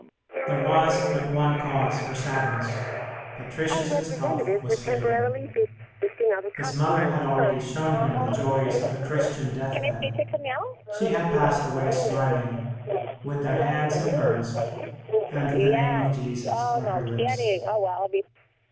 There was but one cause for sadness Patricius's health was failing. His mother had already shown him the joys of a Christian deathbed. She had passed away smiling, with their hands in hers, and the name of Jesus on her lips.